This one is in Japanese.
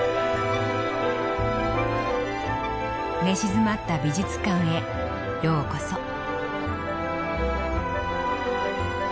寝静まった美術館へようこそ。